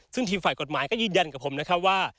ซึ่งทีมฝ่ายกฎหมายก็ยืนยันกับผมนะครับว่า